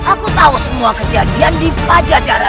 aku tahu semua kejadian di pajajaran